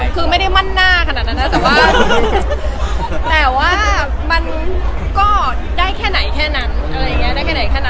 คือไม่ได้มั่นหน้าขนาดนั้นมากแต่ว่ามันก็ได้แค่ไหนแค่นั้น